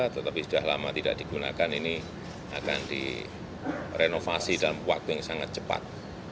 tetapi sudah lama tidak digunakan ini akan direnovasi dalam waktu yang sangat cepat